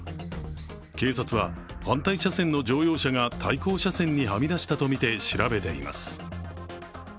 警察は反対車線の乗用車が対向車線にはみ出したとみて調べています。